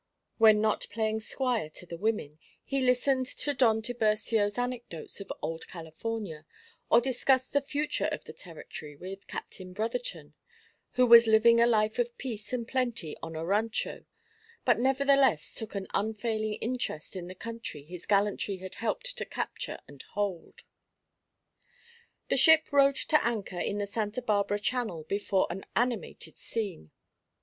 When not playing squire to the women, he listened to Don Tiburcio's anecdotes of Old California, or discussed the future of the territory with Captain Brotherton, who was living a life of peace and plenty on a rancho, but nevertheless took an unfailing interest in the country his gallantry had helped to capture and hold. The ship rode to anchor in the Santa Barbara channel before an animated scene.